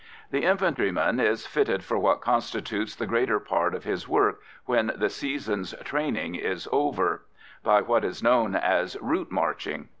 The infantryman is fitted for what constitutes the greater part of his work, when the season's "training" is over, by what is known as "route marching."